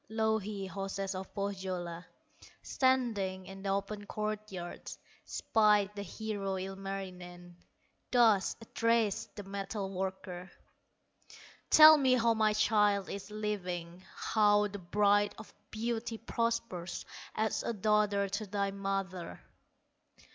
Louhi, hostess of Pohyola, Standing in the open court yard, Spied the hero, Ilmarinen, Thus addressed the metal worker: "Tell me how my child is living, How the Bride of Beauty prospers, As a daughter to thy mother."